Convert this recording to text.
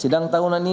sidang tahunan ini